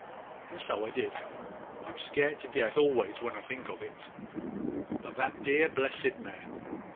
And so I did. I'm scared to death always when I think of it. But that dear, blessed man!